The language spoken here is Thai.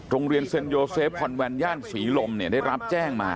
โรงเรียนเซนโยเซฟที่คอนแวนสีลมได้รับแจ้งมา